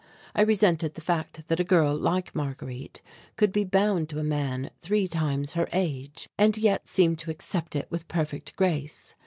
I resented the fact that a girl like Marguerite could be bound to a man three times her age, and yet seem to accept it with perfect grace.